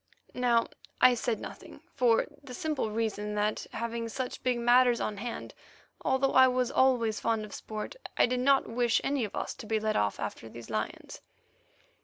Now I said nothing, for the simple reason that, having such big matters on hand, although I was always fond of sport, I did not wish any of us to be led off after these lions.